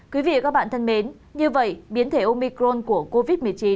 quý vị và các bạn thân mến như vậy biến thể omicron của covid một mươi chín